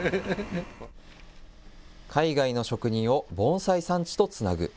海外の職人を盆栽産地とつなぐ。